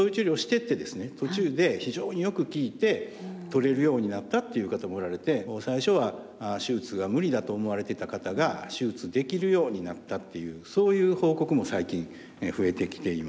途中で非常によく効いて取れるようになったっていう方もおられて最初は手術が無理だと思われていた方が手術できるようになったっていうそういう報告も最近増えてきていますですね。